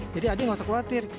jadi adi gak usah khawatir